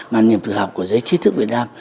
mà niềm tự hào của giới trí thức việt nam